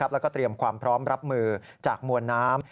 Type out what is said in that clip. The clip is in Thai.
แล้วก็เตรียมความพร้อมรับมือจากมวลน้ำ